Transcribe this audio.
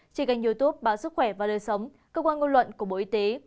trên kênh youtube bản sức khỏe và lời sống cơ quan ngôn luận của bộ y tế